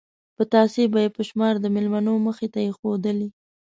پتاسې به یې په شمار د مېلمنو مخې ته ایښودلې.